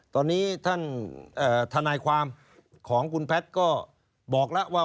ตอนนี้ท่านทนายความของคุณแพทย์ก็บอกแล้วว่า